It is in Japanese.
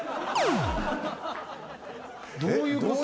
どういうこと？